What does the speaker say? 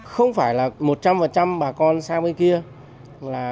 không phải là một trăm linh bà con sang bên kia